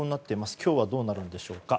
今日はどうなるんでしょうか。